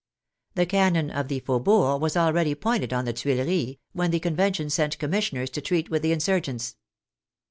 The cannon of the faubourgs was already pointed on the Tuileries when the Convention sent commissioners to treat with the insurgents.